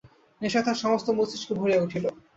নেশায় তাহার সমস্ত মস্তিস্ক ভরিয়া উঠিল।